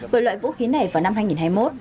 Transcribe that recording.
bởi loại vũ khí này vào năm hai nghìn hai mươi một